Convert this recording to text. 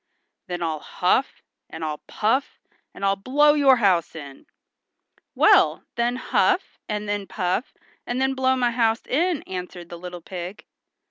"Then I'll huff, and I'll puff, and I'll blow your house in." "Well, then huff, and then puff, and then blow my house in," answered the pig.